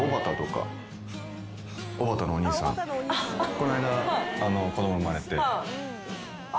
こないだ子供生まれて。